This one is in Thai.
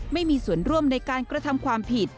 ไม่มีส่วนร่วมในการกระทำความผิด